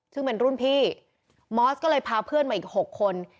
ซึ่งเป็นรุ่นพี่มอสก็เลยพาเพื่อนมาอีก๖คน